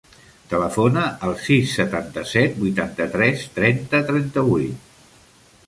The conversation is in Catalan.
Telefona al sis, setanta-set, vuitanta-tres, trenta, trenta-vuit.